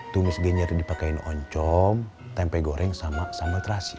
tumis genyar dipakain oncom tempe goreng sama sambal terasi